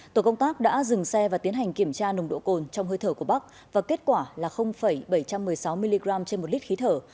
tổ công tác đã dừng xe và tiến hành kiểm tra nồng độ cồn trong hơi thở của bắc và kết quả là bảy trăm một mươi sáu mg trên một lít khí thở